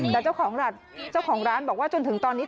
แต่เจ้าของร้านบอกว่าจนถึงตอนนี้